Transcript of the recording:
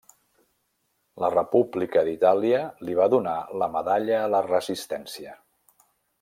La República d'Itàlia li va donar la medalla a la Resistència.